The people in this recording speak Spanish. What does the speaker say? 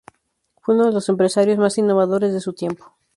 Fue uno de los empresarios más innovadores de su tiempo.